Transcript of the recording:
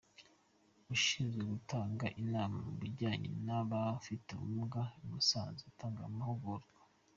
Ushinzwe gutanga inama mu bijyanye n’abafite ubumuga i Musanze atanga amahugurwa.